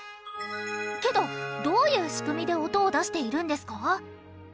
けどどういう仕組みで音を出しているんですか？